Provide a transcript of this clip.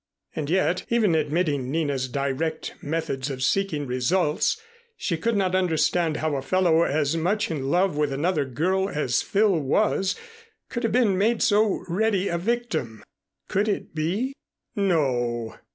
And yet, even admitting Nina's direct methods of seeking results, she could not understand how a fellow as much in love with another girl as Phil was could have been made so ready a victim. Could it be? No.